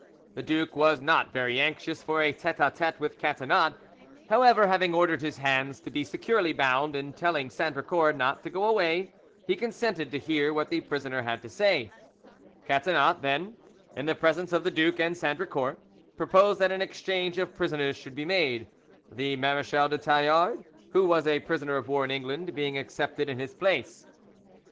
The duke was not very anxious for a tete a tete with Catinat; however, having ordered his hands to be securely bound, and telling Sandricourt not to go away, he consented to hear what the prisoner had to say. Catinat then, in the presence of the duke and Sandricourt, proposed that an exchange of prisoners should be made, the Marechal de Tallard, who was a prisoner of war in England, being accepted in his place.